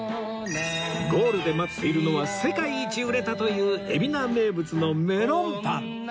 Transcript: ゴールで待っているのは世界一売れたという海老名名物のメロンパン